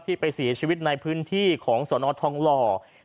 ที่ไปเสียชีวิตในพื้นที่ของสตนอธรรมรอบ